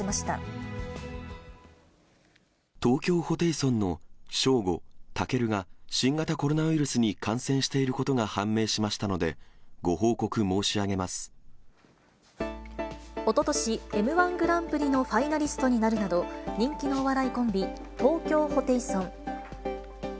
ホテイソンのショーゴ、たけるが新型コロナウイルスに感染していることが判明しましたのおととし、Ｍー１グランプリのファイナリストになるなど、人気のお笑いコンビ、東京ホテイソン。